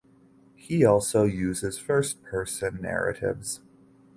He also uses first person narratives.